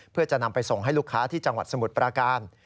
เพื่อจะนำไปส่งให้ลูกค้าที่จังหวัดสมุทรปราการ